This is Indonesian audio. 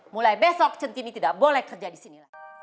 mulai besok centini tidak boleh kerja di sini